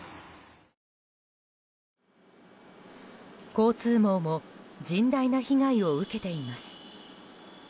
交通網も甚大な被害を受けています。